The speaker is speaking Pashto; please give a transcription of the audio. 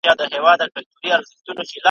د مغان پیر سو را پورته